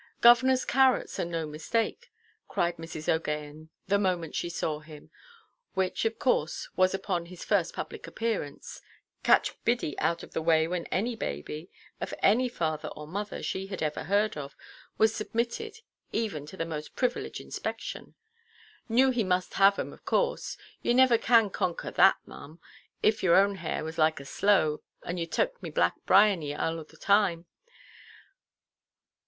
"Governorʼs carrots, and no mistake," cried Mrs. OʼGaghan the moment she saw him, which, of course, was upon his first public appearance—catch Biddy out of the way when any baby, of any father or mother she had ever heard of, was submitted even to the most privileged inspection—"knew he must have 'em, of course. You niver can conquer that, maʼam, if your own hair was like a sloe, and you tuk me black briony arl the time.